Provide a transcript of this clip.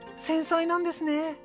繊細なんですね。